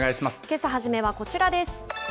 けさ初めはこちらです。